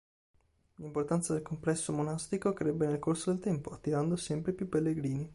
L'importanza del complesso monastico crebbe nel corso del tempo, attirando sempre più pellegrini.